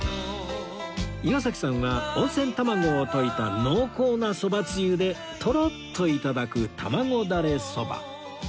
岩崎さんは温泉卵を溶いた濃厚なそばつゆでトロッと頂く玉子だれそば